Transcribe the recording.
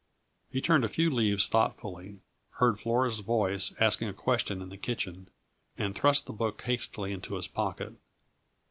He turned a few leaves thoughtfully, heard Flora's voice asking a question in the kitchen, and thrust the book hastily into his pocket.